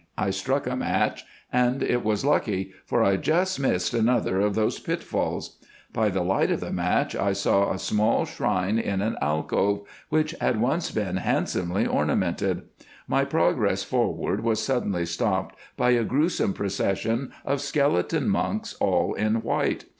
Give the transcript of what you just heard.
I struck a match, and it was lucky, for I just missed another of those pitfalls. By the light of the match I saw a small shrine in an alcove which had once been handsomely ornamented. My progress forward was suddenly stopped by a gruesome procession of skeleton monks all in white.